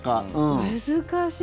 難しい。